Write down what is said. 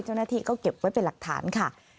เจ้าหน้าที่ก็เก็บไว้เป็นหลักฐานค่ะ